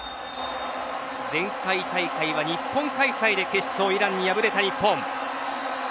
前回大会は日本開催で決勝、イランに敗れた日本。